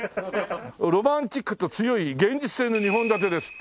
「ロマンチックと強い現実性の二本立て」ですって。